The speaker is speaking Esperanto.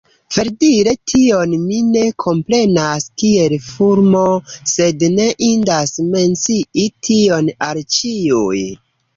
Verdire tion mi ne komprenas kiel fulmo, sed ne indas mencii tion al ĉiuj.